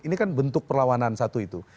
ini kan bentuk perlawanan satu itu